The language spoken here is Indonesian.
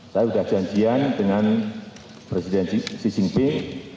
saya sudah janjian dengan presiden xi jinping